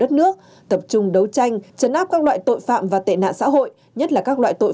đất nước tập trung đấu tranh chấn áp các loại tội phạm và tệ nạn xã hội nhất là các loại tội